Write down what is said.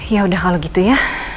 ya udah kalau gitu ya